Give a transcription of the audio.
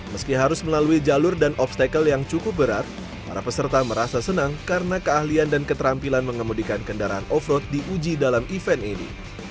meski harus melalui jalur dan obstacle yang cukup berat para peserta merasa senang karena keahlian dan keterampilan mengemudikan kendaraan off road diuji dalam event ini